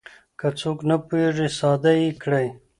که څوک نه پوهېږي ساده يې کړئ.